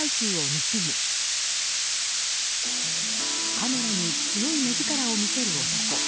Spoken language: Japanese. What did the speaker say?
カメラに強い目力を見せる男。